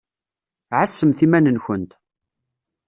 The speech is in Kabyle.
Ɛassemt iman-nkent.